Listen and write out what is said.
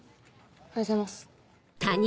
おはようございます。